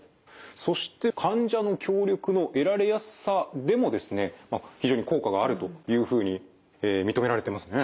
そして患者の協力の得られやすさでもですね非常に効果があるというふうに認められてますね。